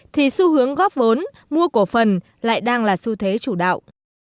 thì xu hướng góp vốn mua cổ phần lại đang là xu thế chủ đạo